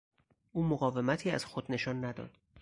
او مقاومتی از خود نشان نداد.